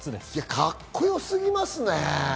かっこよすぎますね！